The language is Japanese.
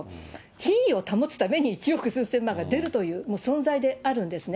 品位を保つために１億数千万が出るというもう存在であるんですね。